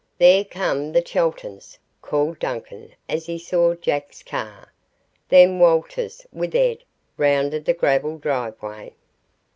"There come the Cheltons!" called Duncan as he saw Jack's car. Then Walter's with Ed rounded the gravel driveway.